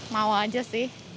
mau aja sih